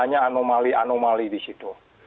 banyak anomali anomali di situ